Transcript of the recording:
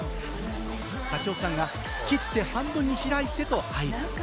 社長さんが切って半分に開いてと合図。